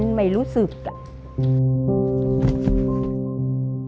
ก็ไม่รู้แล้วก็เออว่าเราเป็นอะไรอย่างนั้นเนี่ย